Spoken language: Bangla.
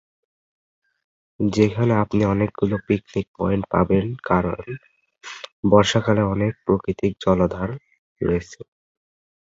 যেখানে আপনি অনেকগুলো পিকনিক পয়েন্ট পাবেন কারণ বর্ষাকালে অনেক প্রাকৃতিক জলাধার রয়েছে।